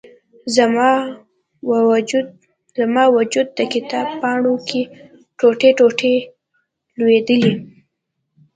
زما و جود، د کتاب پاڼو کې، ټوټي، ټوټي لویدلي